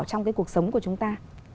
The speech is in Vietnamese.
trong cái cuộc sống của chúng ta